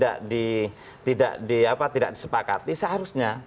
dan setelah musawwar mufakat tidak disepakati seharusnya